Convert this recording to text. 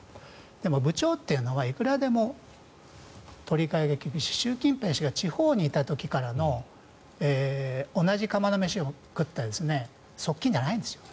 でも、部長というのはいくらでも取り替えが利くし習近平氏が地方にいた時からの同じ釜の飯を食った側近じゃないんですよ。